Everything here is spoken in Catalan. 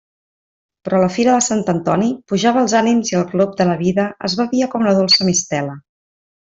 Però la fira de Sant Antoni pujava els ànims i el glop de la vida es bevia com la dolça mistela.